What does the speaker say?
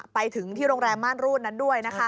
ไปถึงที่โรงแรมม่านรูดนั้นด้วยนะคะ